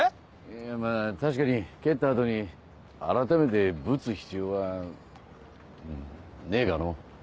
いやまぁ確かに蹴った後に改めてぶつ必要はねえかの。